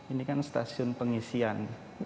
ini kan stasiun pengisian